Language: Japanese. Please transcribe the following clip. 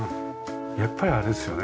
やっぱりあれですよね